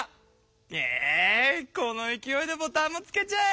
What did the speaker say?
えいこのいきおいでボタンもつけちゃえ！